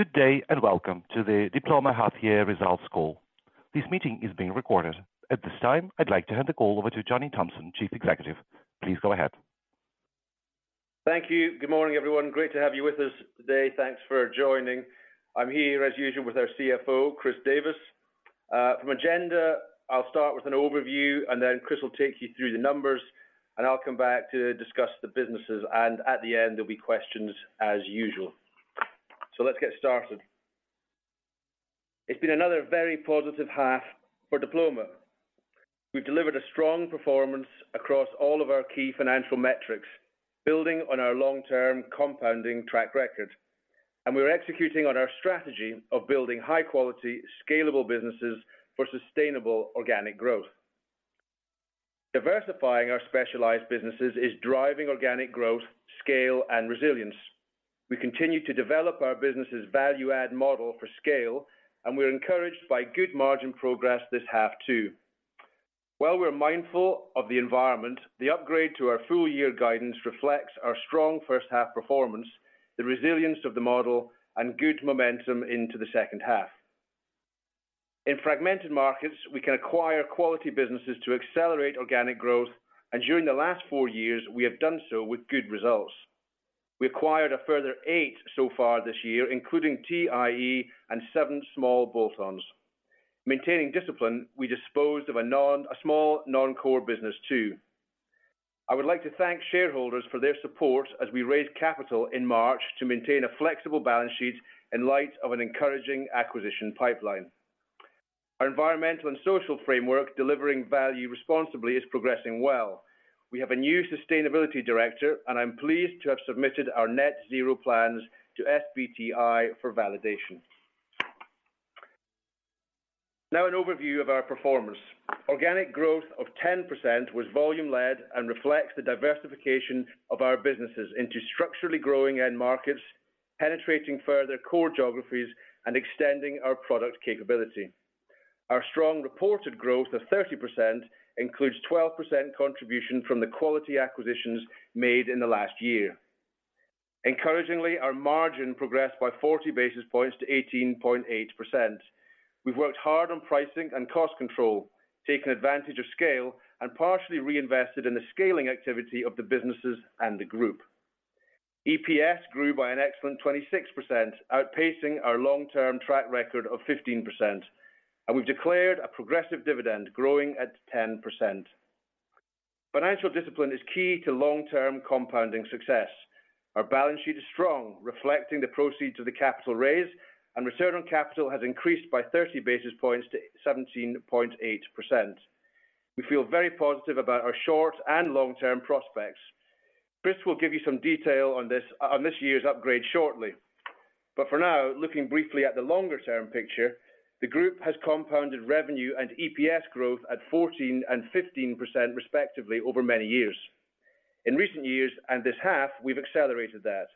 Good day, welcome to the Diploma half year results call. This meeting is being recorded. At this time, I'd like to hand the call over to Johnny Thomson, Chief Executive Officer. Please go ahead. Thank you. Good morning, everyone. Great to have you with us today. Thanks for joining. I'm here, as usual, with our CFO, Chris Davies. From agenda, I'll start with an overview, and then Chris will take you through the numbers, and I'll come back to discuss the businesses. At the end, there'll be questions as usual. Let's get started. It's been another very positive half for Diploma. We've delivered a strong performance across all of our key financial metrics, building on our long-term compounding track record, and we're executing on our strategy of building high-quality, scalable businesses for sustainable organic growth. Diversifying our specialized businesses is driving organic growth, scale, and resilience. We continue to develop our business' value add model for scale, and we are encouraged by good margin progress this half too. While we're mindful of the environment, the upgrade to our full year guidance reflects our strong first half performance, the resilience of the model, and good momentum into the second half. In fragmented markets, we can acquire quality businesses to accelerate organic growth. During the last four years, we have done so with good results. We acquired a further eight so far this year, including TIE and seven small bolt-ons. Maintaining discipline, we disposed of a small non-core business too. I would like to thank shareholders for their support as we raised capital in March to maintain a flexible balance sheet in light of an encouraging acquisition pipeline. Our environmental and social framework, delivering value responsibly, is progressing well. We have a new sustainability director. I'm pleased to have submitted our net zero plans to SBTi for validation. An overview of our performance. Organic growth of 10% was volume-led and reflects the diversification of our businesses into structurally growing end markets, penetrating further core geographies and extending our product capability. Our strong reported growth of 30% includes 12% contribution from the quality acquisitions made in the last year. Encouragingly, our margin progressed by 40 basis points to 18.8%. We've worked hard on pricing and cost control, taking advantage of scale and partially reinvested in the scaling activity of the businesses and the group. EPS grew by an excellent 26%, outpacing our long-term track record of 15%, and we've declared a progressive dividend growing at 10%. Financial discipline is key to long-term compounding success. Our balance sheet is strong, reflecting the proceeds of the capital raise, and return on capital has increased by 30 basis points to 17.8%. We feel very positive about our short and long-term prospects. Chris will give you some detail on this year's upgrade shortly. For now, looking briefly at the longer-term picture, the group has compounded revenue and EPS growth at 14% and 15% respectively over many years. In recent years and this half, we've accelerated that.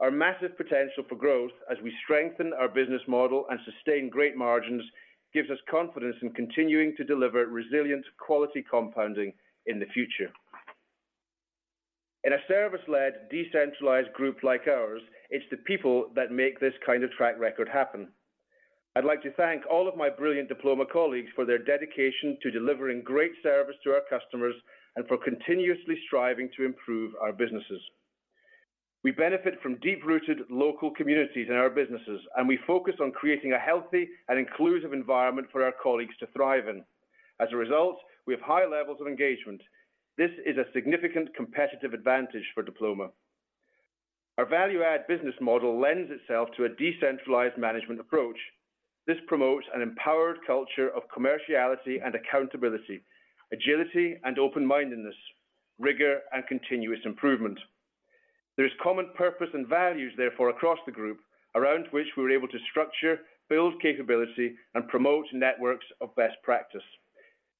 Our massive potential for growth as we strengthen our business model and sustain great margins gives us confidence in continuing to deliver resilient quality compounding in the future. In a service-led, decentralized group like ours, it's the people that make this kind of track record happen. I'd like to thank all of my brilliant Diploma colleagues for their dedication to delivering great service to our customers and for continuously striving to improve our businesses. We benefit from deep-rooted local communities in our businesses. We focus on creating a healthy and inclusive environment for our colleagues to thrive in. As a result, we have high levels of engagement. This is a significant competitive advantage for Diploma. Our value add business model lends itself to a decentralized management approach. This promotes an empowered culture of commerciality and accountability, agility and open-mindedness, rigor and continuous improvement. There is common purpose and values, therefore across the group, around which we are able to structure, build capability, and promote networks of best practice.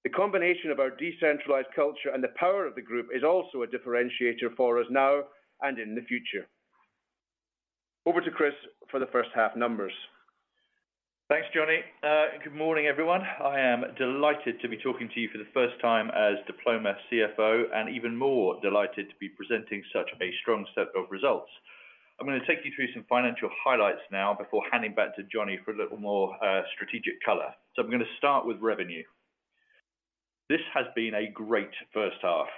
The combination of our decentralized culture and the power of the group is also a differentiator for us now and in the future. Over to Chris for the first half numbers. Thanks, Johnny. Good morning, everyone. I am delighted to be talking to you for the first time as Diploma CFO and even more delighted to be presenting such a strong set of results. I'm gonna take you through some financial highlights now before handing back to Johnny for a little more strategic color. I'm gonna start with revenue. This has been a great first half.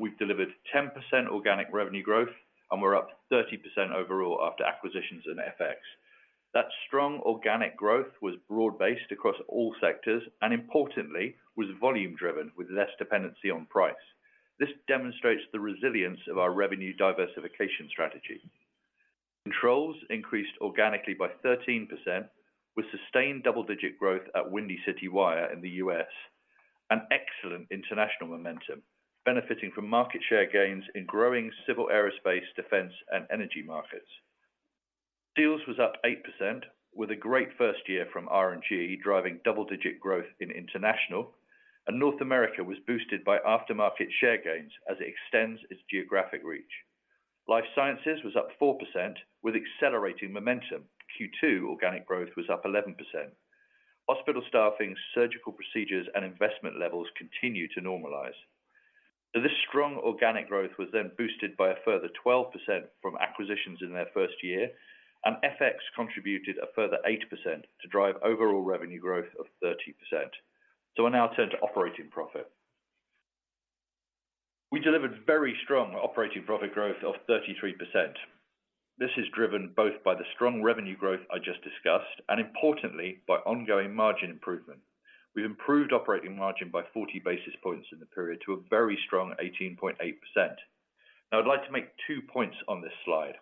We've delivered 10% organic revenue growth, and we're up 30% overall after acquisitions and FX. That strong organic growth was broad-based across all sectors and importantly, was volume-driven with less dependency on price. This demonstrates the resilience of our revenue diversification strategy. Controls increased organically by 13%, with sustained double-digit growth at Windy City Wire in the U.S., an excellent international momentum benefiting from market share gains in growing civil aerospace, defense, and energy markets. Seals was up 8% with a great first year from RNG, driving double-digit growth in International. North America was boosted by aftermarket share gains as it extends its geographic reach. Life Sciences was up 4% with accelerating momentum. Q2 organic growth was up 11%. Hospital staffing, surgical procedures, and investment levels continue to normalize. This strong organic growth was then boosted by a further 12% from acquisitions in their first year, and FX contributed a further 8% to drive overall revenue growth of 30%. We now turn to operating profit. We delivered very strong operating profit growth of 33%. This is driven both by the strong revenue growth I just discussed and importantly, by ongoing margin improvement. We've improved operating margin by 40 basis points in the period to a very strong 18.8%. I'd like to make two points on this slide.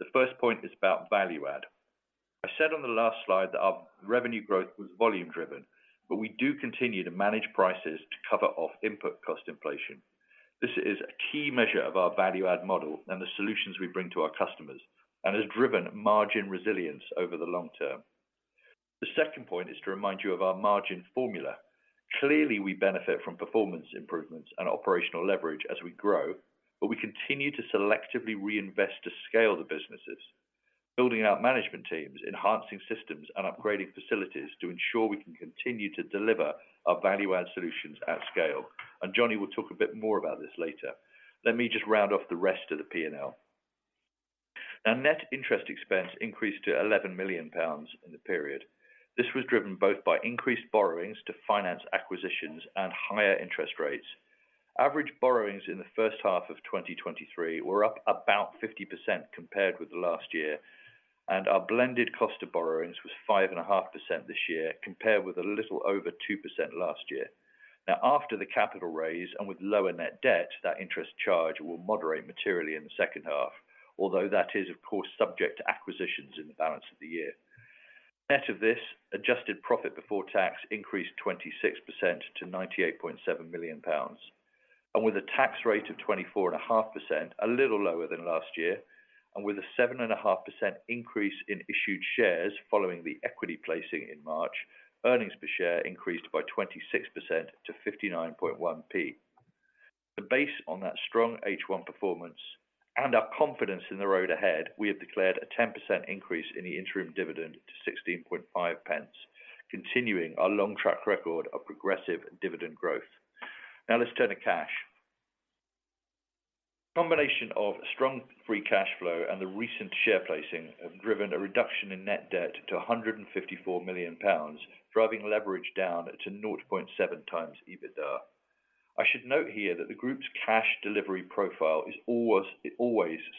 The first point is about value add. I said on the last slide that our revenue growth was volume driven, but we do continue to manage prices to cover off input cost inflation. This is a key measure of our value add model and the solutions we bring to our customers, and has driven margin resilience over the long term. The second point is to remind you of our margin formula. Clearly, we benefit from performance improvements and operational leverage as we grow, but we continue to selectively reinvest to scale the businesses, building out management teams, enhancing systems, and upgrading facilities to ensure we can continue to deliver our value add solutions at scale. Johnny will talk a bit more about this later. Let me just round off the rest of the P&L. Net interest expense increased to 11 million pounds in the period. This was driven both by increased borrowings to finance acquisitions and higher interest rates. Average borrowings in the first half of 2023 were up about 50% compared with last year, and our blended cost of borrowings was 5.5% this year, compared with a little over 2% last year. After the capital raise and with lower net debt, that interest charge will moderate materially in the second half, although that is, of course, subject to acquisitions in the balance of the year. Net of this, adjusted profit before tax increased 26% to 98.7 million pounds. With a tax rate of 24.5%, a little lower than last year, and with a 7.5% increase in issued shares following the equity placing in March, earnings per share increased by 26% to 59.1%. The base on that strong H1 performance and our confidence in the road ahead, we have declared a 10% increase in the interim dividend to 16.5%, continuing our long track record of progressive dividend growth. Now let's turn to cash. Combination of strong free cash flow and the recent share placing have driven a reduction in net debt to 154 million pounds, driving leverage down to 0.7x EBITDA. I should note here that the group's cash delivery profile is always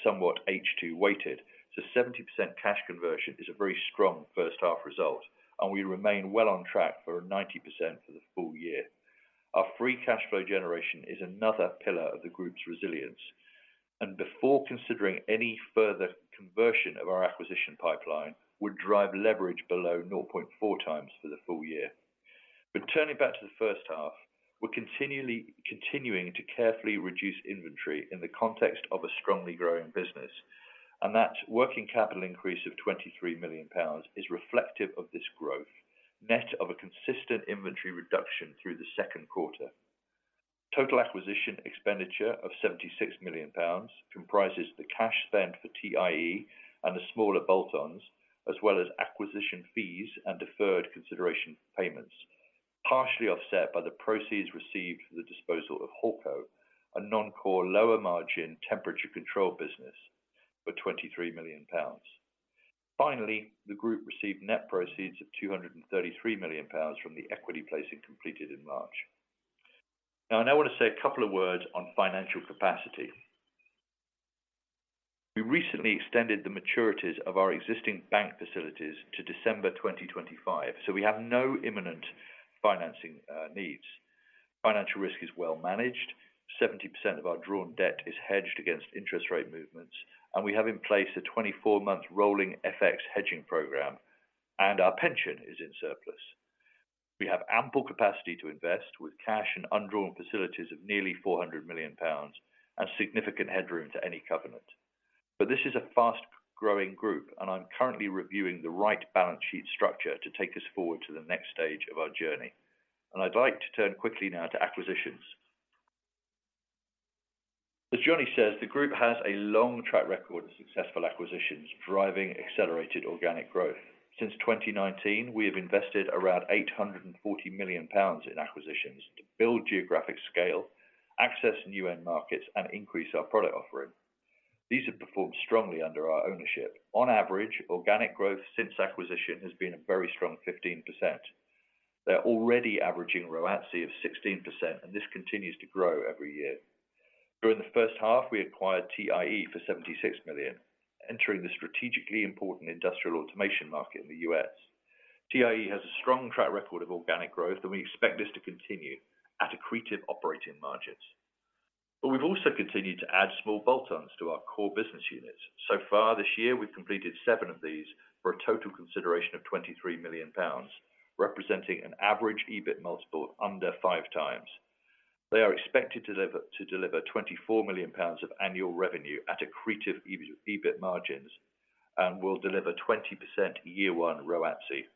H2 weighted, so 70% cash conversion is a very strong first half result, and we remain well on track for a 90% for the full year. Our free cash flow generation is another pillar of the group's resilience, and before considering any further conversion of our acquisition pipeline, would drive leverage below 0.4x for the full year. Turning back to the first half, we're continually continuing to carefully reduce inventory in the context of a strongly growing business, and that working capital increase of 23 million pounds is reflective of this growth, net of a consistent inventory reduction through the second quarter. Total acquisition expenditure of 76 million pounds comprises the cash spent for TIE and the smaller bolt-ons, as well as acquisition fees and deferred consideration payments, partially offset by the proceeds received for the disposal of Hawco, a non-core lower margin temperature control business for 23 million pounds. The group received net proceeds of 233 million pounds from the equity placing completed in March. I now want to say a couple of words on financial capacity. We recently extended the maturities of our existing bank facilities to December 2025. We have no imminent financing needs. Financial risk is well managed. 70% of our drawn debt is hedged against interest rate movements. We have in place a 24-month rolling FX hedging program. Our pension is in surplus. We have ample capacity to invest with cash and undrawn facilities of nearly 400 million pounds and significant headroom to any covenant. This is a fast growing group, I'm currently reviewing the right balance sheet structure to take us forward to the next stage of our journey. I'd like to turn quickly now to acquisitions. As Johnny says, the group has a long track record of successful acquisitions, driving accelerated organic growth. Since 2019, we have invested around 840 million pounds in acquisitions to build geographic scale, access new end markets, and increase our product offering. These have performed strongly under our ownership. On average, organic growth since acquisition has been a very strong 15%. They're already averaging ROATCE of 16%, this continues to grow every year. During the first half, we acquired TIE for 76 million, entering the strategically important industrial automation market in the U.S. TIE has a strong track record of organic growth, and we expect this to continue at accretive operating margins. We've also continued to add small bolt-ons to our core business units. So far this year, we've completed seven of these for a total consideration of 23 million pounds, representing an average EBIT multiple under 5x. They are expected to deliver 24 million pounds of annual revenue at accretive EBIT margins and will deliver 20% year one ROATCE.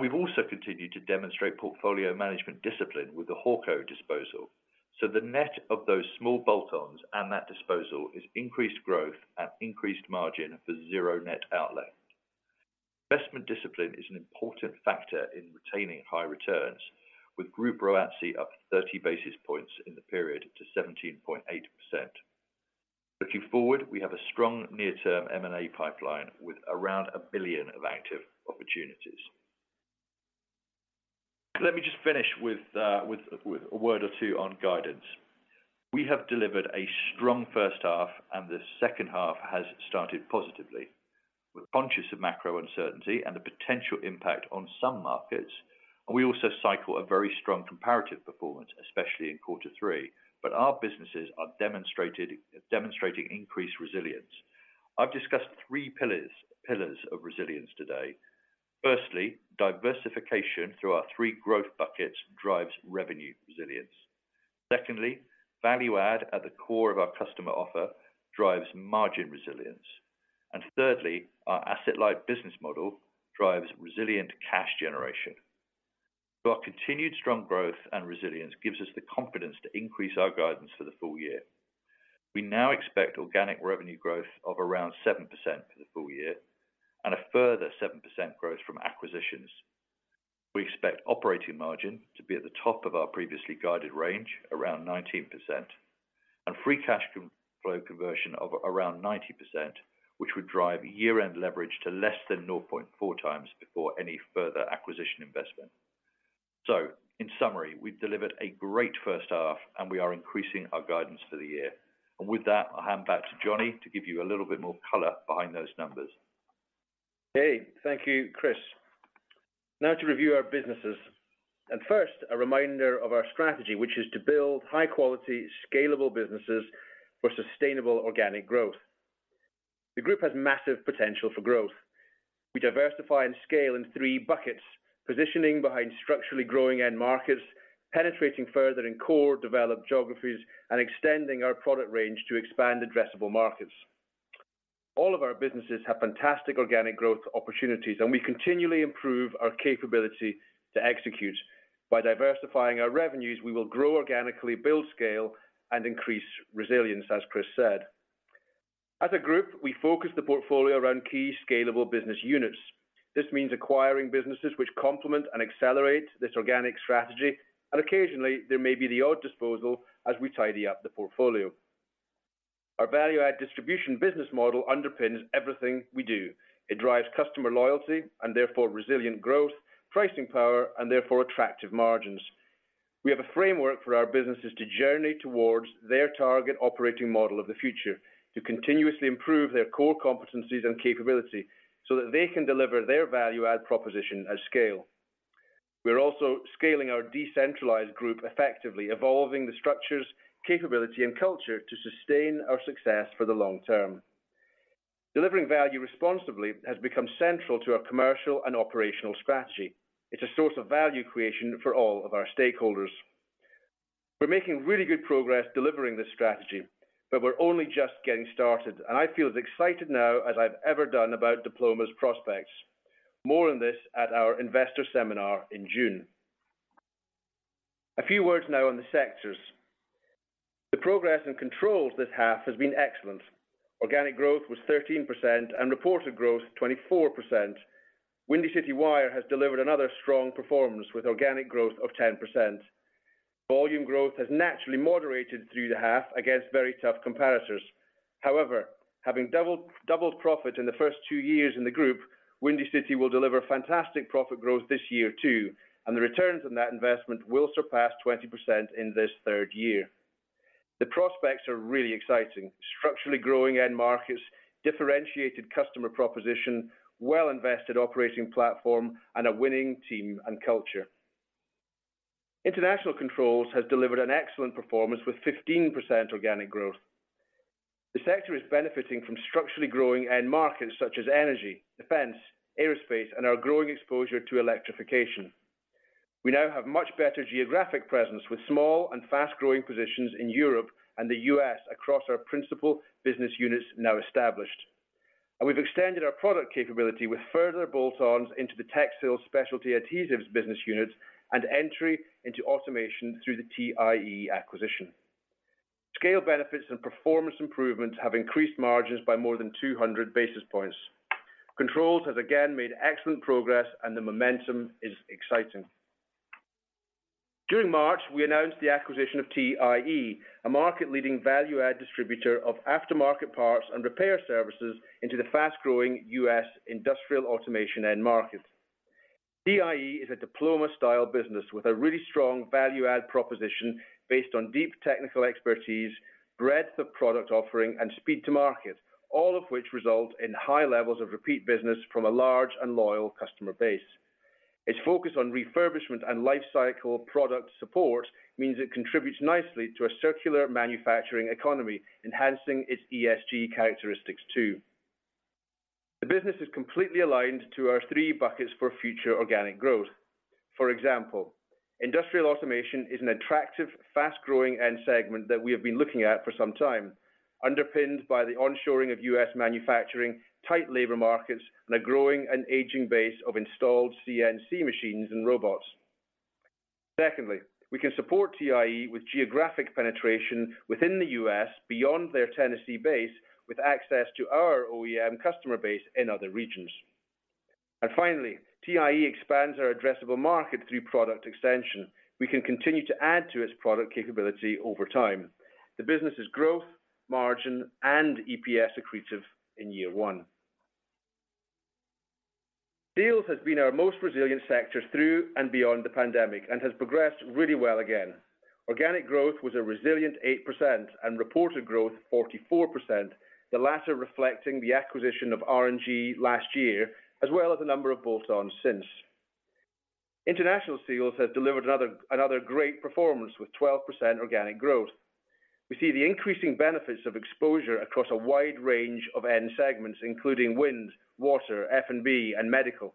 We've also continued to demonstrate portfolio management discipline with the Hawco disposal. The net of those small bolt-ons and that disposal is increased growth at increased margin for zero net outlay. Investment discipline is an important factor in retaining high returns with group ROATCE up 30 basis points in the period to 17.8%. Looking forward, we have a strong near-term M&A pipeline with around 1 billion of active opportunities. Let me just finish with a word or two on guidance. We have delivered a strong first half, and the second half has started positively. We're conscious of macro uncertainty and the potential impact on some markets, and we also cycle a very strong comparative performance, especially in quarter three, but our businesses are demonstrating increased resilience. I've discussed three pillars of resilience today. Firstly, diversification through our three growth buckets drives revenue resilience. Secondly, value add at the core of our customer offer drives margin resilience. Thirdly, our asset-light business model drives resilient cash generation. Our continued strong growth and resilience gives us the confidence to increase our guidance for the full year. We now expect organic revenue growth of around 7% for the full year and a further 7% growth from acquisitions. We expect operating margin to be at the top of our previously guided range, around 19%, and free cash flow conversion of around 90%, which would drive year-end leverage to less than 0.4x before any further acquisition investment. In summary, we've delivered a great first half, and we are increasing our guidance for the year. With that, I'll hand back to Johnny Thomson to give you a little bit more color behind those numbers. Okay. Thank you, Chris. Now to review our businesses. First, a reminder of our strategy, which is to build high-quality, scalable businesses for sustainable organic growth. The group has massive potential for growth. We diversify and scale in three buckets, positioning behind structurally growing end markets, penetrating further in core developed geographies, and extending our product range to expand addressable markets. All of our businesses have fantastic organic growth opportunities, and we continually improve our capability to execute. By diversifying our revenues, we will grow organically, build scale, and increase resilience, as Chris said. As a group, we focus the portfolio around key scalable business units. This means acquiring businesses which complement and accelerate this organic strategy. Occasionally, there may be the odd disposal as we tidy up the portfolio. Our value-add distribution business model underpins everything we do. It drives customer loyalty and therefore resilient growth, pricing power, and therefore attractive margins. We have a framework for our businesses to journey towards their target operating model of the future, to continuously improve their core competencies and capability so that they can deliver their value add proposition at scale. We are also scaling our decentralized group effectively, evolving the structures, capability, and culture to sustain our success for the long term. Delivering value responsibly has become central to our commercial and operational strategy. It's a source of value creation for all of our stakeholders. We're making really good progress delivering this strategy. We're only just getting started, and I feel as excited now as I've ever done about Diploma's prospects. More on this at our investor seminar in June. A few words now on the sectors. The progress in Controls this half has been excellent. Organic growth was 13% and reported growth 24%. Windy City Wire has delivered another strong performance with organic growth of 10%. Volume growth has naturally moderated through the half against very tough comparators. Having doubled profit in the first two years in the group, Windy City will deliver fantastic profit growth this year too, and the returns on that investment will surpass 20% in this third year. The prospects are really exciting. Structurally growing end markets, differentiated customer proposition, well-invested operating platform, and a winning team and culture. International Controls has delivered an excellent performance with 15% organic growth. The sector is benefiting from structurally growing end markets such as energy, defense, aerospace, and our growing exposure to electrification. We now have much better geographic presence with small and fast-growing positions in Europe and the U.S. across our principal business units now established. We've extended our product capability with further bolt-ons into the textiles Specialty Adhesives business units and entry into automation through the TIE acquisition. Scale benefits and performance improvements have increased margins by more than 200 basis points. Controls has again made excellent progress and the momentum is exciting. During March, we announced the acquisition of TIE, a market-leading value-add distributor of aftermarket parts and repair services into the fast-growing U.S. industrial automation end market. TIE is a Diploma-style business with a really strong value-add proposition based on deep technical expertise, breadth of product offering, and speed to market, all of which result in high levels of repeat business from a large and loyal customer base. Its focus on refurbishment and life cycle product support means it contributes nicely to a circular manufacturing economy, enhancing its ESG characteristics too. The business is completely aligned to our three buckets for future organic growth. For example, industrial automation is an attractive, fast-growing end segment that we have been looking at for some time, underpinned by the onshoring of U.S. manufacturing, tight labor markets, and a growing and aging base of installed CNC machines and robots. Secondly, we can support TIE with geographic penetration within the U.S. beyond their Tennessee base with access to our OEM customer base in other regions. Finally, TIE expands our addressable market through product extension. We can continue to add to its product capability over time. The business' growth, margin, and EPS accretive in year one. Seals has been our most resilient sector through and beyond the pandemic and has progressed really well again. Organic growth was a resilient 8% and reported growth 44%, the latter reflecting the acquisition of RNG last year, as well as a number of bolt-ons since. International Seals has delivered another great performance with 12% organic growth. We see the increasing benefits of exposure across a wide range of end segments, including wind, water, F&B and medical.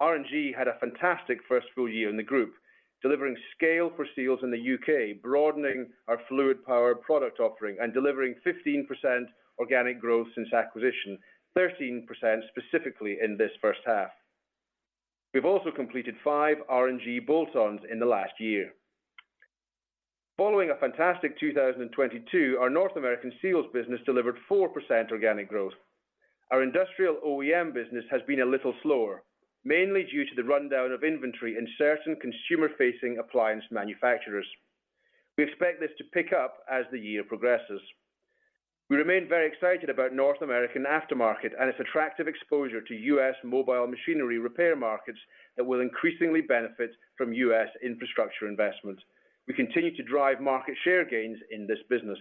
RNG had a fantastic first full year in the group, delivering scale for Seals in the U.K., broadening our fluid power product offering and delivering 15% organic growth since acquisition, 13% specifically in this first half. We've also completed five RNG bolt-ons in the last year. Following a fantastic 2022, our North American Seals business delivered 4% organic growth. Our industrial OEM business has been a little slower, mainly due to the rundown of inventory in certain consumer-facing appliance manufacturers. We expect this to pick up as the year progresses. We remain very excited about North American aftermarket and its attractive exposure to U.S. mobile machinery repair markets that will increasingly benefit from U.S. infrastructure investment. We continue to drive market share gains in this business.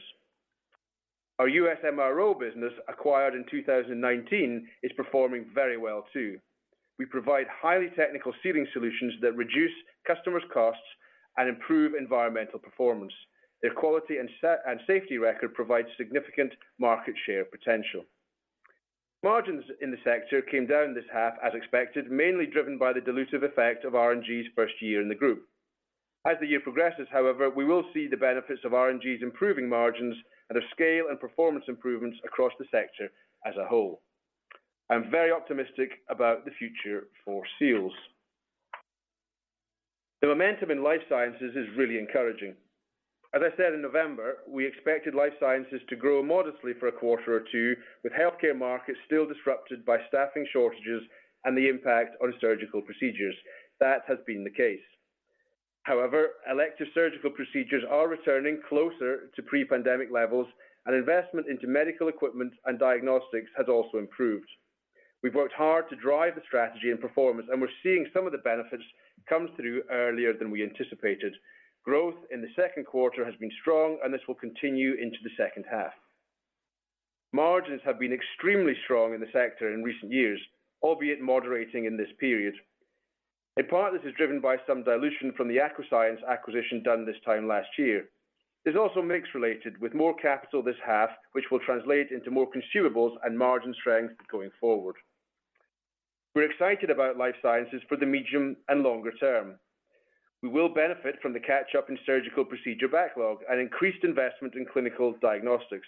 Our U.S. MRO business acquired in 2019 is performing very well too. We provide highly technical sealing solutions that reduce customers costs and improve environmental performance. Their quality and safety record provides significant market share potential. Margins in the sector came down this half as expected, mainly driven by the dilutive effect of RNG's first year in the group. As the year progresses, however, we will see the benefits of RNG's improving margins and of scale and performance improvements across the sector as a whole. I'm very optimistic about the future for Seals. The momentum in Life Sciences is really encouraging. As I said in November, we expected Life Sciences to grow modestly for a quarter or two, with healthcare markets still disrupted by staffing shortages and the impact on surgical procedures. That has been the case. However, elective surgical procedures are returning closer to pre-pandemic levels, and investment into medical equipment and diagnostics has also improved. We've worked hard to drive the strategy and performance, and we're seeing some of the benefits come through earlier than we anticipated. Growth in the second quarter has been strong, and this will continue into the second half. Margins have been extremely strong in the sector in recent years, albeit moderating in this period. In part, this is driven by some dilution from the Accuscience acquisition done this time last year. It also makes related with more capital this half, which will translate into more consumables and margin strength going forward. We're excited about Life Sciences for the medium and longer term. We will benefit from the catch-up in surgical procedure backlog and increased investment in clinical diagnostics.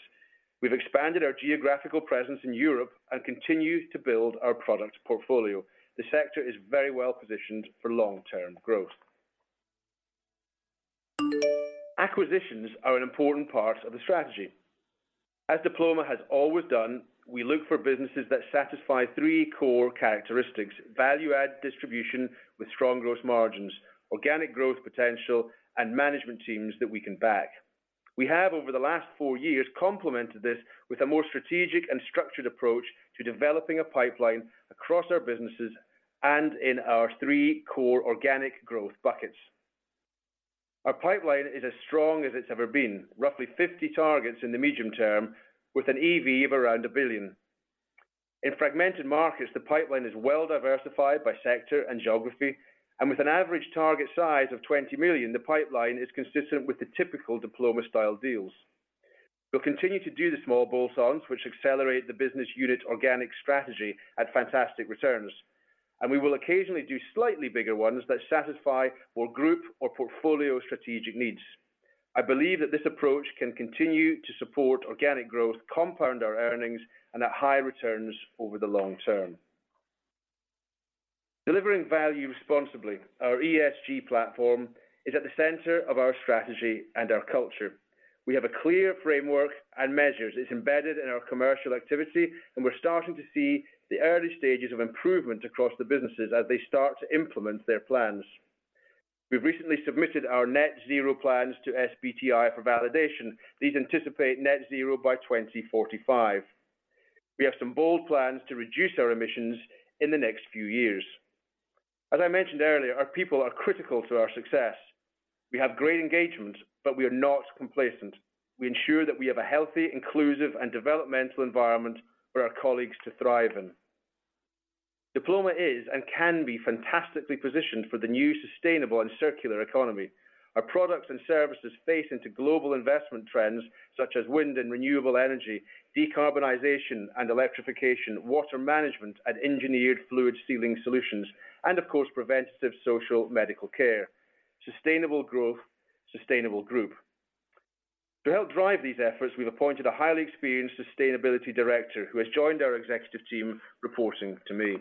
We've expanded our geographical presence in Europe and continue to build our product portfolio. The sector is very well-positioned for long-term growth. Acquisitions are an important part of the strategy. As Diploma has always done, we look for businesses that satisfy three core characteristics: value-add distribution with strong growth margins, organic growth potential, and management teams that we can back. We have, over the last four years, complemented this with a more strategic and structured approach to developing a pipeline across our businesses and in our three core organic growth buckets. Our pipeline is as strong as it's ever been, roughly 50 targets in the medium term with an EV of around 1 billion. In fragmented markets, the pipeline is well-diversified by sector and geography, and with an average target size of 20 million, the pipeline is consistent with the typical Diploma style deals. We'll continue to do the small bolt-ons which accelerate the business unit organic strategy at fantastic returns, and we will occasionally do slightly bigger ones that satisfy more group or portfolio strategic needs. I believe that this approach can continue to support organic growth, compound our earnings and at high returns over the long term. Delivering value responsibly, our ESG platform, is at the center of our strategy and our culture. We have a clear framework and measures. It's embedded in our commercial activity, and we're starting to see the early stages of improvement across the businesses as they start to implement their plans. We've recently submitted our net zero plans to SBTi for validation. These anticipate net zero by 2045. We have some bold plans to reduce our emissions in the next few years. As I mentioned earlier, our people are critical to our success. We have great engagement, but we are not complacent. We ensure that we have a healthy, inclusive and developmental environment for our colleagues to thrive in. Diploma is and can be fantastically positioned for the new sustainable and circular economy. Our products and services face into global investment trends such as wind and renewable energy, decarbonization and electrification, water management and engineered fluid sealing solutions, and of course, preventative social medical care. Sustainable growth, sustainable group. To help drive these efforts, we've appointed a highly experienced sustainability director who has joined our executive team, reporting to me.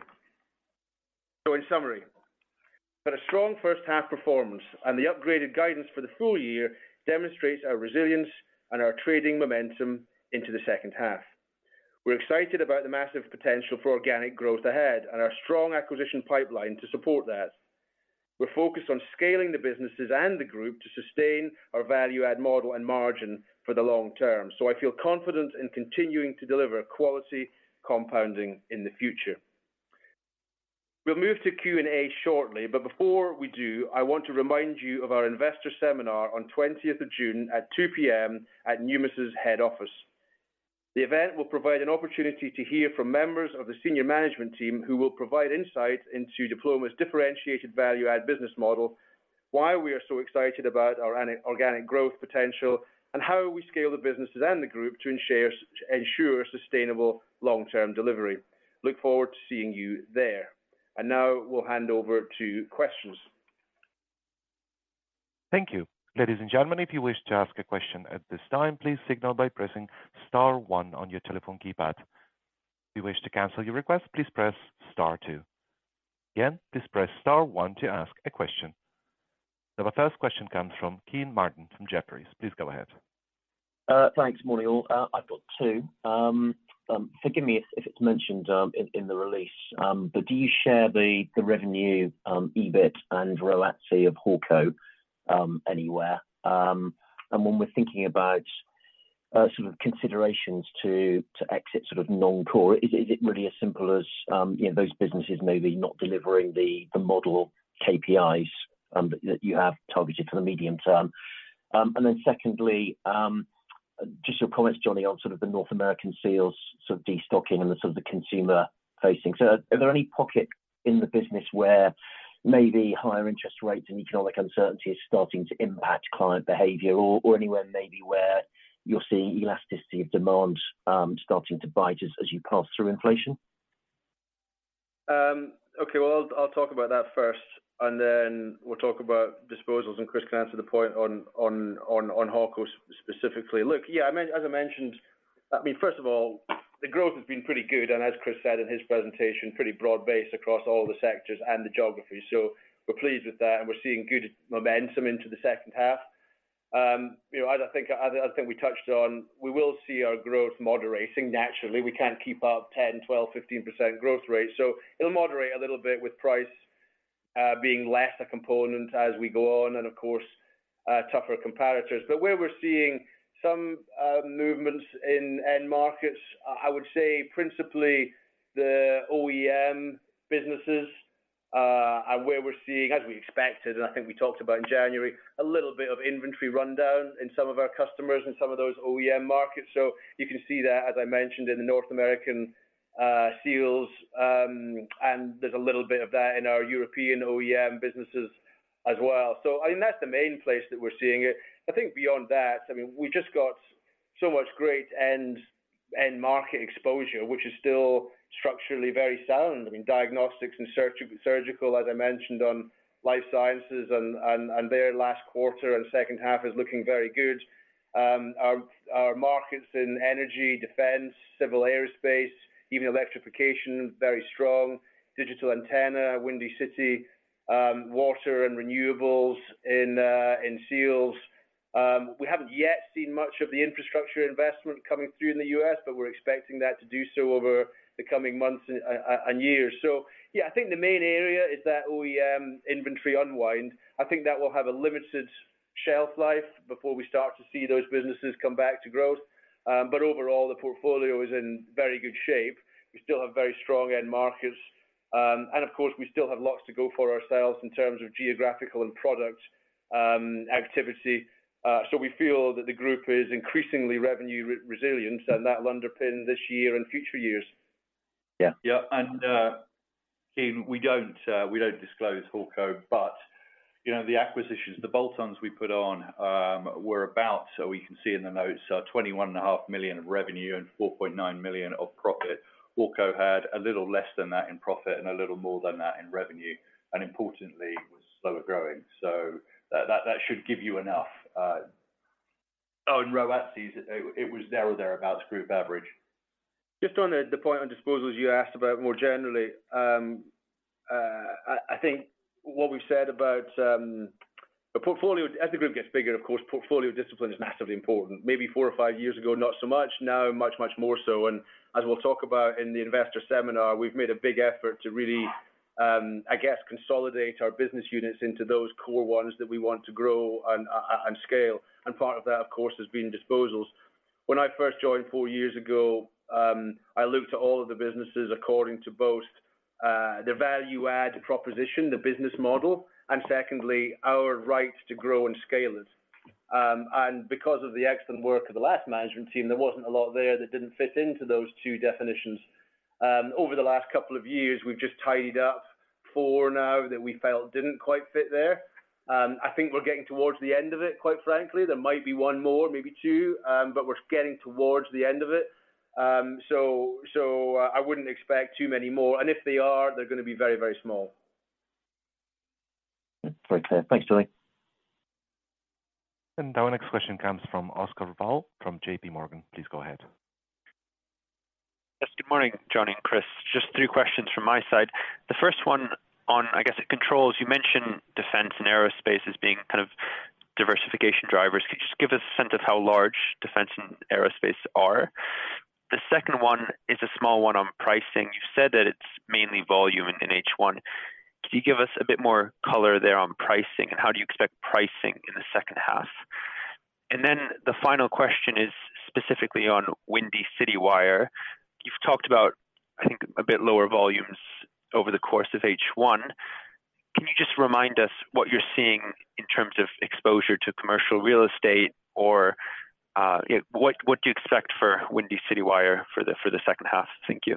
In summary, we've had a strong first half performance, and the upgraded guidance for the full year demonstrates our resilience and our trading momentum into the second half. We're excited about the massive potential for organic growth ahead and our strong acquisition pipeline to support that. We're focused on scaling the businesses and the group to sustain our value add model and margin for the long term. I feel confident in continuing to deliver quality compounding in the future. We'll move to Q&A shortly, but before we do, I want to remind you of our investor seminar on 20th of June at 2:00 P.M. at Numis' head office. The event will provide an opportunity to hear from members of the senior management team who will provide insights into Diploma's differentiated value add business model, why we are so excited about our organic growth potential, and how we scale the businesses and the group to ensure sustainable long-term delivery. Look forward to seeing you there. Now we'll hand over to questions. Thank you. Ladies and gentlemen, if you wish to ask a question at this time, please signal by pressing star one on your telephone keypad. If you wish to cancel your request, please press star two. Again, please press star one to ask a question. Our first question comes from Keane Martin from Jefferies. Please go ahead. Thanks. Morning, all. I've got two. Forgive me if it's mentioned in the release, but do you share the revenue, EBIT and ROATCE of Hawco anywhere? When we're thinking about sort of considerations to exit sort of non-core, is it really as simple as, you know, those businesses maybe not delivering the model KPIs that you have targeted for the medium term? Then secondly, just your comments, Johnny Thomson, on sort of the North American Seals sort of destocking and the sort of the consumer facing. Are there any pockets in the business where maybe higher interest rates and economic uncertainty is starting to impact client behavior or anywhere maybe where you're seeing elasticity of demand starting to bite as you pass through inflation? Okay. Well, I'll talk about that first, and then we'll talk about disposals, and Chris can answer the point on Hawco specifically. Look, yeah, as I mentioned, I mean, first of all, the growth has been pretty good, and as Chris said in his presentation, pretty broad-based across all the sectors and the geographies. We're pleased with that, and we're seeing good momentum into the second half. You know, as I think we touched on, we will see our growth moderating naturally. We can't keep up 10%, 12%, 15% growth rates. It'll moderate a little bit with price being less a component as we go on and of course, tougher comparators. Where we're seeing some movements in end markets, I would say principally the OEM businesses, and where we're seeing as we expected, and I think we talked about in January, a little bit of inventory rundown in some of our customers in some of those OEM markets. You can see that, as I mentioned in the North American Seals, and there's a little bit of that in our European OEM businesses as well. I mean, that's the main place that we're seeing it. I think beyond that, I mean, we just got so much great end market exposure, which is still structurally very sound. I mean, diagnostics and surgical, as I mentioned on Life Sciences and their last quarter and second half is looking very good. Our markets in energy, defense, civil aerospace, even electrification, very strong. Digital antenna, Windy City, water and renewables in Seals. We haven't yet seen much of the infrastructure investment coming through in the U.S., but we're expecting that to do so over the coming months and years. Yeah, I think the main area is that OEM inventory unwind. I think that will have a limited shelf life before we start to see those businesses come back to growth. Overall, the portfolio is in very good shape. We still have very strong end markets. Of course, we still have lots to go for ourselves in terms of geographical and product activity. We feel that the group is increasingly revenue re-resilient, and that'll underpin this year and future years. Yeah. Yeah. Keane, we don't, we don't disclose Hawco, you know, the acquisitions, the bolt-ons we put on, were about, we can see in the notes, 21.5 million of revenue and 4.9 million of profit. Hawco had a little less than that in profit and a little more than that in revenue, importantly, was slower growing. That should give you enough. Oh, ROATCEs, it was there or there about group average. Just on the point on disposals you asked about more generally. I think what we've said about the portfolio, as the group gets bigger, of course, portfolio discipline is massively important. Maybe four or five years ago, not so much. Now much, much more so. As we'll talk about in the investor seminar, we've made a big effort to really, I guess, consolidate our business units into those core ones that we want to grow on scale. Part of that, of course, has been disposals. When I first joined four years ago, I looked at all of the businesses according to both their value add proposition, the business model, and secondly, our right to grow and scale it. Because of the excellent work of the last management team, there wasn't a lot there that didn't fit into those two definitions. Over the last couple of years, we've just tidied up four now that we felt didn't quite fit there. I think we're getting towards the end of it, quite frankly. There might be one more, maybe two, but we're getting towards the end of it. I wouldn't expect too many more. If they are, they're gonna be very, very small. Very clear. Thanks, Johnny Our next question comes from Oscar Val from J.P. Morgan. Please go ahead. Yes, good morning, Johnny and Chris. Just three questions from my side. The first one on, I guess, Controls. You mentioned defense and aerospace as being kind of diversification drivers. Could you just give us a sense of how large defense and aerospace are? The second one is a small one on pricing. You said that it's mainly volume in H1. Could you give us a bit more color there on pricing and how do you expect pricing in the second half? The final question is specifically on Windy City Wire. You've talked about, I think, a bit lower volumes over the course of H1. Can you just remind us what you're seeing in terms of exposure to commercial real estate or, what do you expect for Windy City Wire for the, for the second half? Thank you.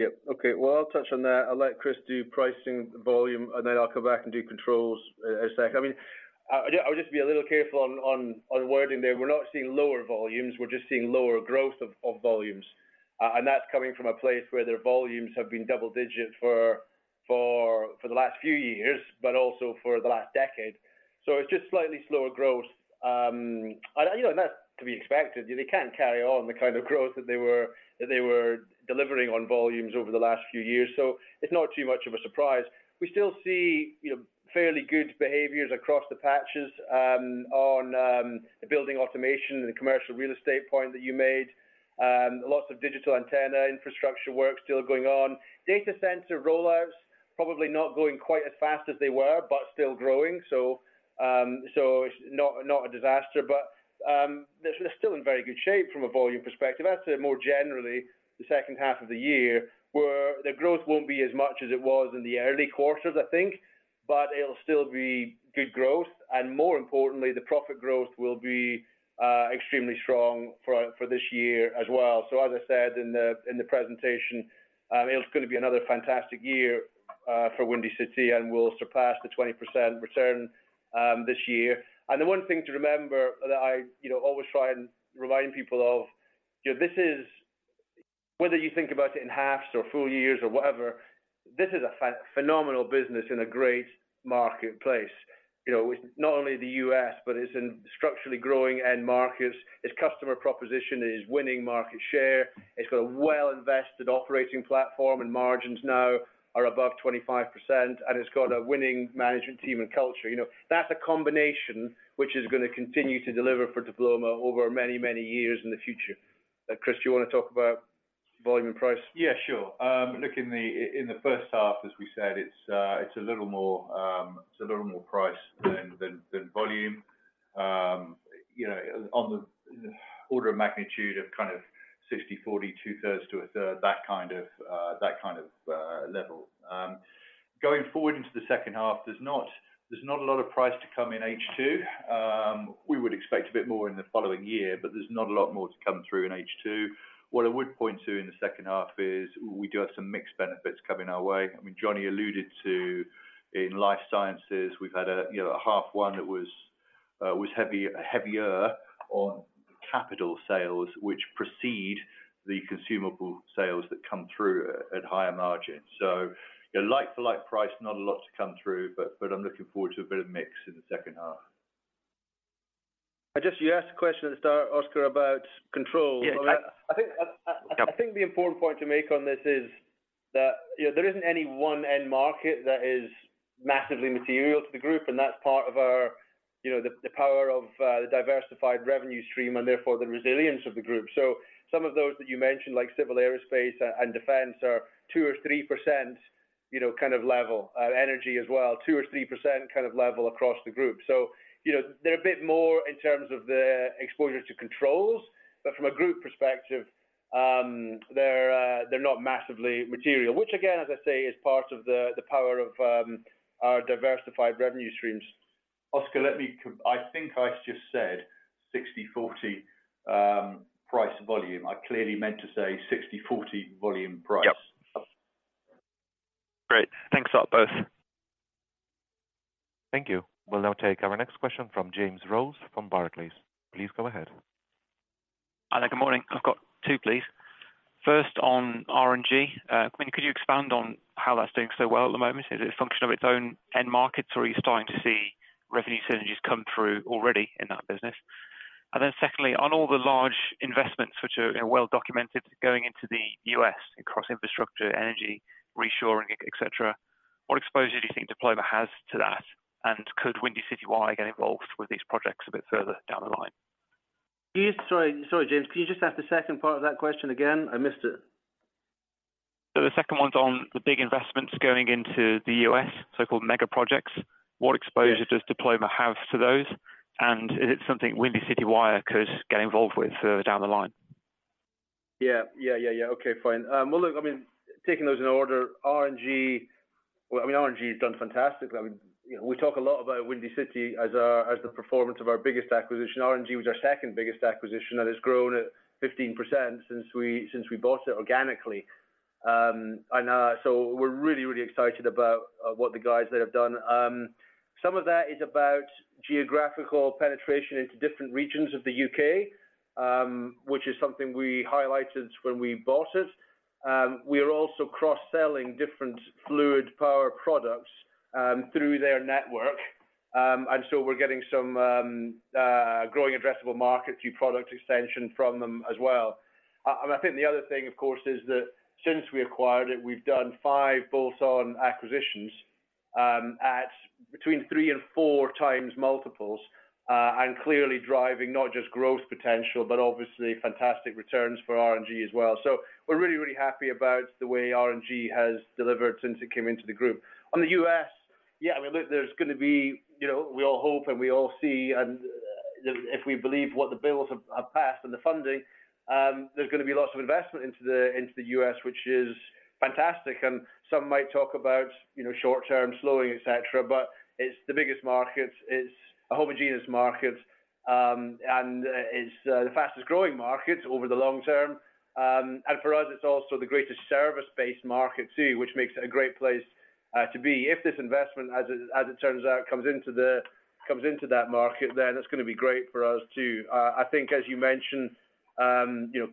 Yep. Okay. I'll touch on that. I'll let Chris do pricing volume, and then I'll come back and do Controls in a sec. I mean, I would just be a little careful on wording there. We're not seeing lower volumes, we're just seeing lower growth of volumes. That's coming from a place where their volumes have been double-digit for the last few years, but also for the last decade. It's just slightly slower growth. You know, that's to be expected. They can't carry on the kind of growth that they were delivering on volumes over the last few years. It's not too much of a surprise. We still see, you know, fairly good behaviors across the patches on the building automation and the commercial real estate point that you made. Lots of digital antenna infrastructure work still going on. Data center rollouts, probably not going quite as fast as they were, but still growing. It's not a disaster, but they're still in very good shape from a volume perspective. I'd say more generally, the second half of the year, where the growth won't be as much as it was in the early quarters, I think, but it'll still be good growth. More importantly, the profit growth will be extremely strong for this year as well. As I said in the presentation, it's gonna be another fantastic year for Windy City, and we'll surpass the 20% return this year. The one thing to remember that I, you know, always try and remind people of, you know, whether you think about it in halves or full years or whatever, this is a phenomenal business in a great marketplace. You know, not only the U.S., but it's in structurally growing end markets. Its customer proposition is winning market share. It's got a well invested operating platform. Margins now are above 25%. It's got a winning management team and culture. You know, that's a combination which is gonna continue to deliver for Diploma over many years in the future. Chris, do you want to talk about volume and price? Yeah, sure. Look, in the first half, as we said, it's a little more price than volume. You know, on the order of magnitude of kind of 60/40, 2/3 to 1/3, that kind of level. Going forward into the second half, there's not a lot of price to come in H2. We would expect a bit more in the following year, but there's not a lot more to come through in H2. What I would point to in the second half is we do have some mixed benefits coming our way. I mean, Johnny alluded to in Life Sciences, we've had a, you know, a half one that was heavier on capital sales, which precede the consumable sales that come through at higher margins. You know, like for like price, not a lot to come through, but I'm looking forward to a bit of mix in the second half. I guess you asked a question at the start, Oscar, about control. Yeah. I think the important point to make on this is that, you know, there isn't any one end market that is massively material to the group, and that's part of our, you know, the power of the diversified revenue stream and therefore the resilience of the group. Some of those that you mentioned, like civil aerospace and defense are 2% or 3%, you know, kind of level. Energy as well, 2% or 3% kind of level across the group. You know, they're a bit more in terms of their exposure to Controls. From a group perspective, they're not massively material, which again, as I say, is part of the power of our diversified revenue streams. Oscar, I think I just said 60/40, price volume. I clearly meant to say 60/40 volume price. Yep. Great. Thanks a lot, both. Thank you. We'll now take our next question from James Rolls from Barclays. Please go ahead. Hi there. Good morning. I've got two, please. First, on RNG. I mean, could you expand on how that's doing so well at the moment? Is it a function of its own end markets, or are you starting to see revenue synergies come through already in that business? Secondly, on all the large investments which are, you know, well documented going into the U.S. across infrastructure, energy, reshoring, et cetera, what exposure do you think Diploma has to that? Could Windy City Wire get involved with these projects a bit further down the line? Sorry, James. Can you just ask the second part of that question again? I missed it. The second one's on the big investments going into the U.S., so-called mega projects. Yeah. What exposure does Diploma have to those? Is it something Windy City Wire could get involved with further down the line? Yeah. Yeah, yeah. Okay, fine. Well, look, I mean, taking those in order, RNG has done fantastically. I mean, you know, we talk a lot about Windy City Wire as the performance of our biggest acquisition. RNG was our second biggest acquisition, and it's grown at 15% since we bought it organically. We're really, really excited about what the guys there have done. Some of that is about geographical penetration into different regions of the U.K., which is something we highlighted when we bought it. We are also cross-selling different fluid power products through their network. We're getting some growing addressable market through product extension from them as well. I think the other thing, of course, is that since we acquired it, we've done five bolt-on acquisitions at between 3 and 4 times multiples, and clearly driving not just growth potential, but obviously fantastic returns for RNG as well. We're really, really happy about the way RNG has delivered since it came into the group. On the U.S., yeah, I mean, look, there's gonna be, you know, we all hope and we all see, and if we believe what the bills have passed and the funding, there's gonna be lots of investment into the U.S., which is fantastic. Some might talk about, you know, short-term slowing, et cetera, but it's the biggest market. It's a homogeneous market, and it's the fastest-growing market over the long term. For us, it's also the greatest service-based market too, which makes it a great place to be. If this investment, as it turns out, comes into that market, then it's gonna be great for us too. I think as you mentioned, you know,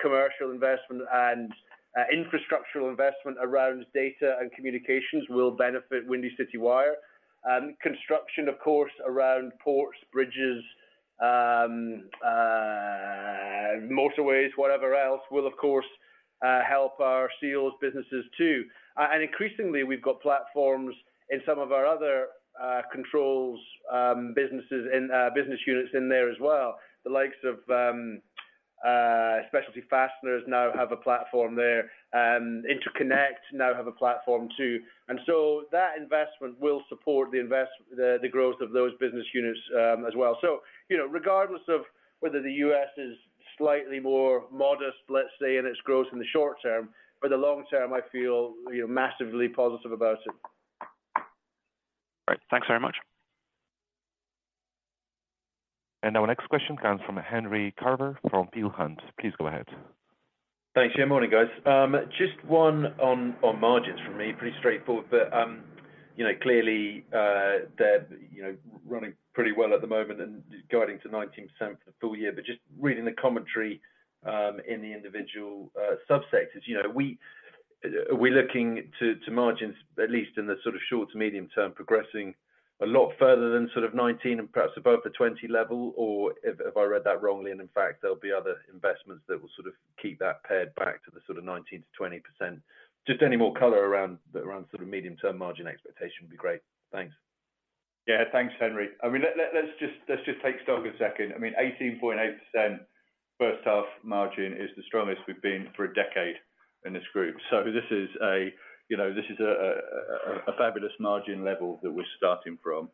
commercial investment and infrastructural investment around data and communications will benefit Windy City Wire. Construction, of course, around ports, bridges, motorways, whatever else will, of course, help our Seals businesses too. Increasingly, we've got platforms in some of our other Controls businesses in business units in there as well. The likes of specialty fasteners now have a platform there. Interconnect now have a platform too. That investment will support the growth of those business units as well. you know, regardless of whether the U.S. is slightly more modest, let's say, in its growth in the short term, but the long term, I feel, you know, massively positive about it. Great. Thanks very much. Our next question comes from Henry Carver from Peel Hunt. Please go ahead. Thanks. Yeah, morning, guys. Just one on margins for me, pretty straightforward, but, you know, clearly, they're, you know, running pretty well at the moment and guiding to 19% for the full year. Just reading the commentary in the individual subsectors, you know, are we looking to margins, at least in the sort of short to medium term, progressing a lot further than sort of 19 and perhaps above the 20 level? Have I read that wrongly, and in fact, there'll be other investments that will sort of keep that paired back to the sort of 19%-20%? Just any more color around sort of medium-term margin expectation would be great. Thanks. Yeah. Thanks, Henry. I mean, let's just take stock a second. I mean, 18.8% first half margin is the strongest we've been for a decade in this group. This is a, you know, this is a fabulous margin level that we're starting from.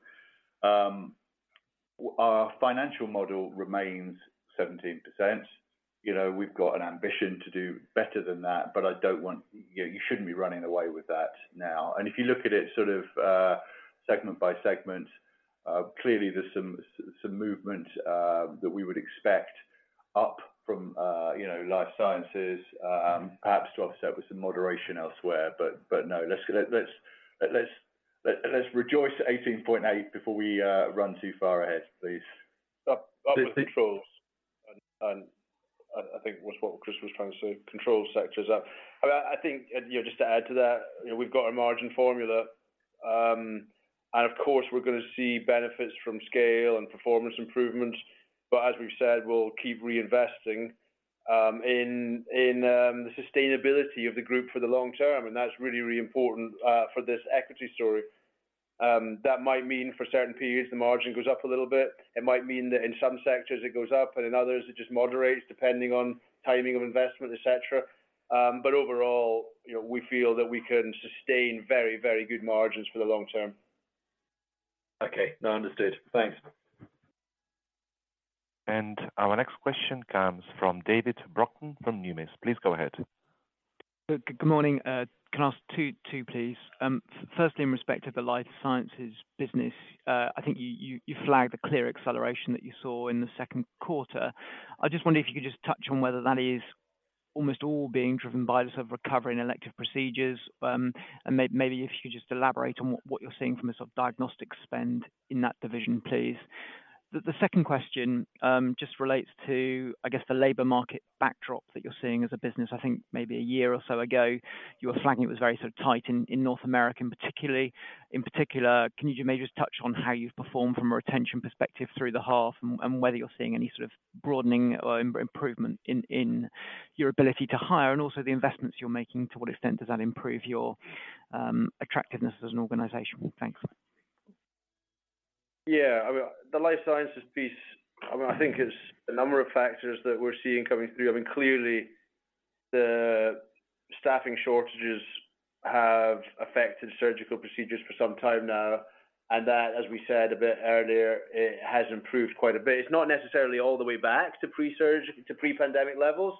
Our financial model remains 17%. You know, we've got an ambition to do better than that, but I don't want. You shouldn't be running away with that now. If you look at it sort of, segment by segment, clearly there's some movement that we would expect up from, you know, Life Sciences, perhaps to offset with some moderation elsewhere. No, let's rejoice at 18.8% before we run too far ahead, please. Up with Controls and I think was what Chris was trying to say, Controls sectors. I think, you know, just to add to that, you know, we've got a margin formula, and of course, we're gonna see benefits from scale and performance improvements. As we've said, we'll keep reinvesting in the sustainability of the group for the long term, and that's really, really important for this equity story. That might mean for certain periods, the margin goes up a little bit. It might mean that in some sectors it goes up, but in others, it just moderates depending on timing of investment, et cetera. Overall, you know, we feel that we can sustain very, very good margins for the long term. Okay. No, understood. Thanks. Our next question comes from David Brockton from Numis. Please go ahead. Good morning. Can I ask two, please? Firstly, in respect to the Life Sciences business, I think you flagged a clear acceleration that you saw in the second quarter. I just wonder if you could just touch on whether that is almost all being driven by the sort of recovery in elective procedures. Maybe if you could just elaborate on what you're seeing from a sort of diagnostic spend in that division, please. The second question just relates to, I guess, the labor market backdrop that you're seeing as a business. I think maybe a year or so ago, you were flagging it was very sort of tight in North America, in particular. Can you just maybe just touch on how you've performed from a retention perspective through the half and whether you're seeing any sort of broadening or improvement in your ability to hire and also the investments you're making, to what extent does that improve your attractiveness as an organization? Thanks. I mean, the Life Sciences piece, I mean, I think it's a number of factors that we're seeing coming through. I mean, clearly the staffing shortages have affected surgical procedures for some time now, and that, as we said a bit earlier, it has improved quite a bit. It's not necessarily all the way back to pre-pandemic levels,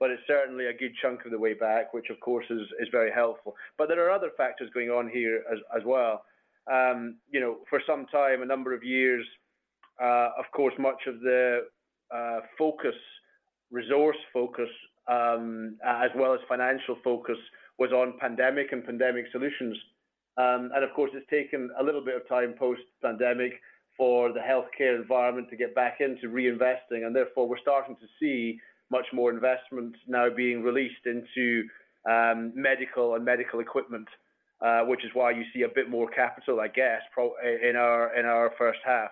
but it's certainly a good chunk of the way back, which of course is very helpful. There are other factors going on here as well. You know, for some time, a number of years, of course, much of the focus, resource focus, as well as financial focus was on pandemic and pandemic solutions. Of course, it's taken a little bit of time post-pandemic for the healthcare environment to get back into reinvesting, and therefore we're starting to see much more investment now being released into medical and medical equipment, which is why you see a bit more capital, I guess, in our first half.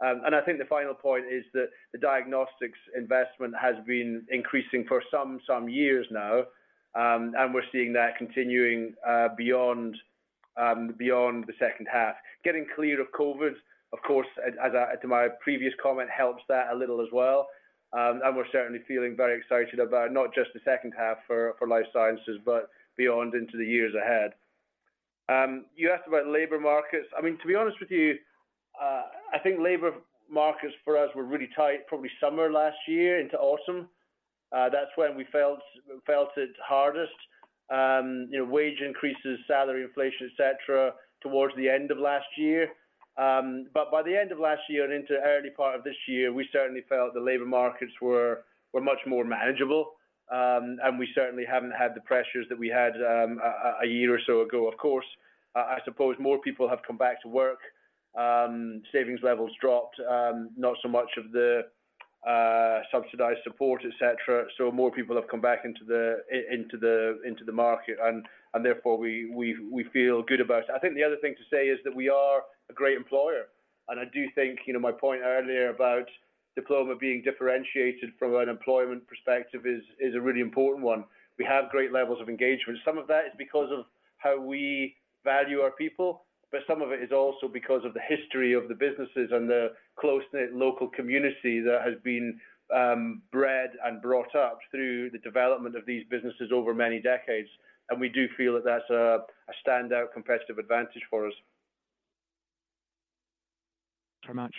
I think the final point is that the diagnostics investment has been increasing for some years now, and we're seeing that continuing beyond the second half. Getting clear of COVID, of course, to my previous comment, helps that a little as well. We're certainly feeling very excited about not just the second half for Life Sciences, but beyond into the years ahead. You asked about labor markets. I mean, to be honest with you, I think labor markets for us were really tight probably summer last year into autumn. That's when we felt it hardest. You know, wage increases, salary inflation, et cetera, towards the end of last year. By the end of last year and into early part of this year, we certainly felt the labor markets were much more manageable. We certainly haven't had the pressures that we had a year or so ago. Of course, I suppose more people have come back to work. Savings levels dropped. Not so much of the subsidized support, et cetera. More people have come back into the market and therefore we feel good about it. I think the other thing to say is that we are a great employer. I do think, you know, my point earlier about Diploma being differentiated from an employment perspective is a really important one. We have great levels of engagement. Some of that is because of how we value our people, but some of it is also because of the history of the businesses and the close-knit local community that has been bred and brought up through the development of these businesses over many decades. We do feel that that's a standout competitive advantage for us. Very much.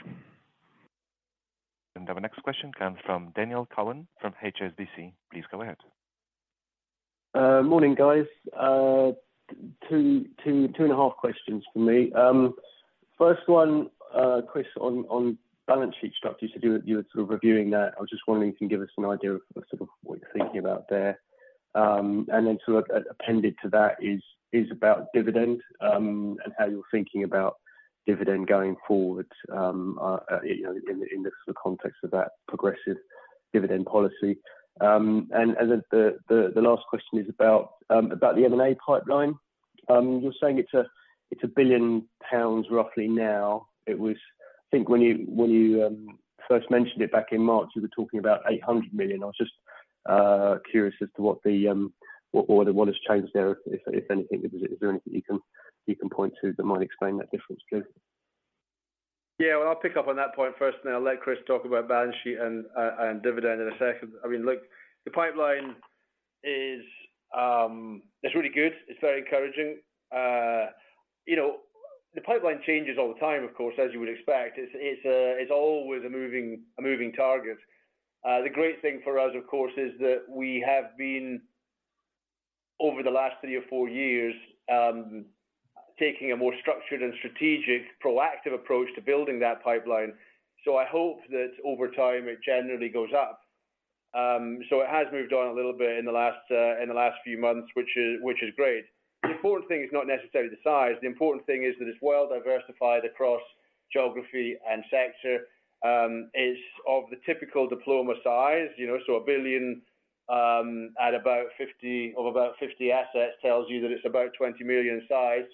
Our next question comes from Daniel Cowan from HSBC. Please go ahead. Morning, guys. Two and a half questions from me. First one, Chris, on balance sheet structure. You were sort of reviewing that. I was just wondering if you can give us an idea of sort of what you're thinking about there. Then sort of appended to that is about dividend, and how you're thinking about dividend going forward, you know, in the sort of context of that progressive dividend policy. Then the last question is about the M&A pipeline. You're saying it's 1 billion pounds roughly now. It was I think when you first mentioned it back in March, you were talking about 800 million. I was just curious as to what the what has changed there if anything. Is there anything you can point to that might explain that difference, please? Yeah. Well, I'll pick up on that point first, and then I'll let Chris talk about balance sheet and dividend in a second. I mean, look, the pipeline is really good. It's very encouraging. You know, the pipeline changes all the time, of course, as you would expect. It's always a moving target. The great thing for us, of course, is that we have been over the last three or four years, taking a more structured and strategic proactive approach to building that pipeline. I hope that over time, it generally goes up. It has moved on a little bit in the last few months which is great. The important thing is not necessarily the size. The important thing is that it's well diversified across geography and sector. It's of the typical Diploma size. You know, 1 billion, at about 50 assets tells you that it's about 20 million size.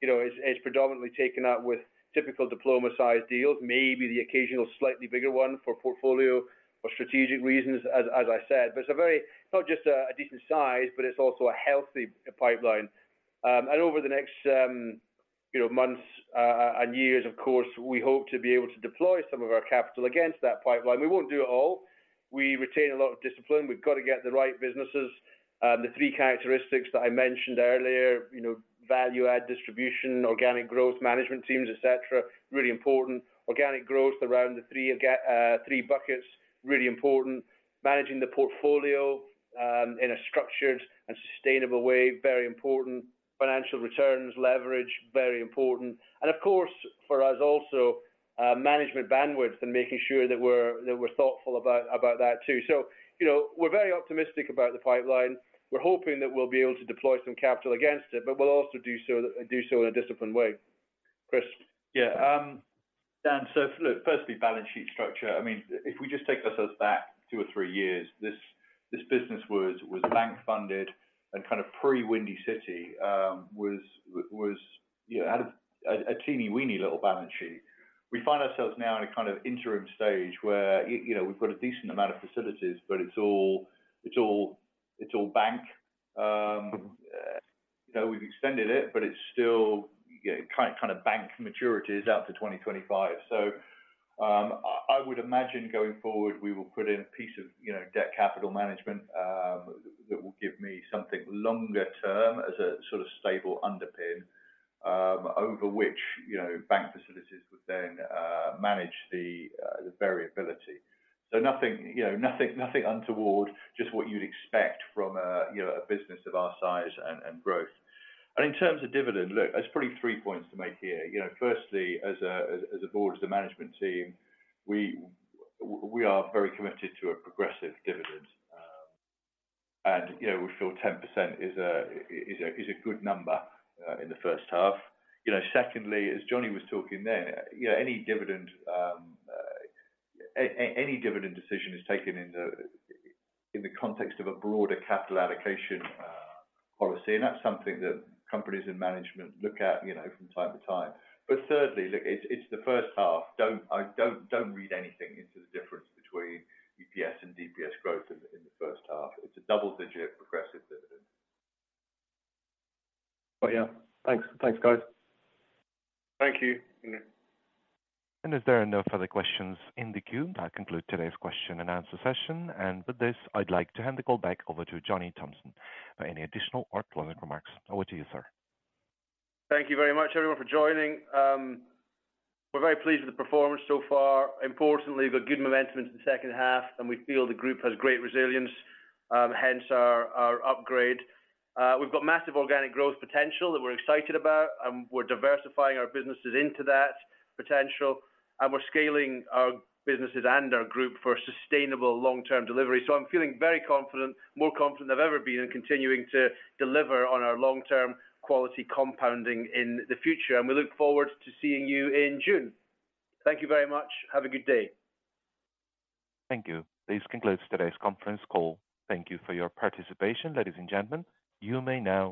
You know, it's predominantly taken up with typical Diploma size deals, maybe the occasional slightly bigger one for portfolio or strategic reasons, as I said. It's a very not just a decent size, but it's also a healthy pipeline. Over the next, you know, months, and years, of course, we hope to be able to deploy some of our capital against that pipeline. We won't do it all. We retain a lot of discipline. We've got to get the right businesses. The three characteristics that I mentioned earlier, you know, value add distribution, organic growth management teams, et cetera, really important. Organic growth around the three buckets, really important. Managing the portfolio, in a structured and sustainable way, very important. Financial returns leverage, very important. Of course, for us also, management bandwidth and making sure that we're thoughtful about that too. You know, we're very optimistic about the pipeline. We're hoping that we'll be able to deploy some capital against it, but we'll also do so in a disciplined way. Chris? Yeah. Dan, look, firstly, balance sheet structure. I mean, if we just take ourselves back two or three years, this business was bank funded and kind of pre-Windy City, was, you know, had a teeny-weeny little balance sheet. We find ourselves now in a kind of interim stage where, you know, we've got a decent amount of facilities, but it's all bank. You know, we've extended it, but it's still kind of bank maturities out to 2025. I would imagine going forward, we will put in a piece of, you know, debt capital management that will give me something longer term as a sort of stable underpin, over which, you know, bank facilities would then manage the variability. Nothing, you know, nothing untoward, just what you'd expect from a, you know, a business of our size and growth. In terms of dividend, look, there's probably 3 points to make here. You know, firstly, as a board, as a management team, we are very committed to a progressive dividend. And, you know, we feel 10% is a good number in the first half. You know, secondly, as Johnny was talking there, you know, any dividend decision is taken in the context of a broader capital allocation policy. That's something that companies and management look at, you know, from time to time. Thirdly, look, it's the first half. Don't read anything into the difference between EPS and DPS growth in the first half. It's a double-digit progressive dividend. Oh, yeah. Thanks. Thanks, guys. Thank you. As there are no further questions in the queue, that concludes today's question and answer session. With this, I'd like to hand the call back over to Johnny Thomson for any additional or closing remarks. Over to you, sir. Thank you very much, everyone, for joining. We're very pleased with the performance so far. Importantly, we've got good momentum into the second half, and we feel the group has great resilience, hence our upgrade. We've got massive organic growth potential that we're excited about, and we're diversifying our businesses into that potential. We're scaling our businesses and our group for sustainable long-term delivery. I'm feeling very confident, more confident than I've ever been in continuing to deliver on our long-term quality compounding in the future. We look forward to seeing you in June. Thank you very much. Have a good day. Thank you. This concludes today's conference call. Thank you for your participation. Ladies and gentlemen, you may now disconnect.